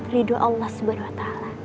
ridu allah swt